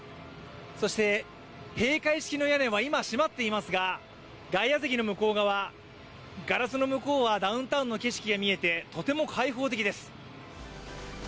そして閉会式の屋根は今閉まっていますが外野席の向こう側、ガラスの向こうはダウンタウンの景色が見えてとても開放的です。